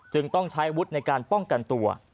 ต้องใช้อาวุธในการป้องกันตัว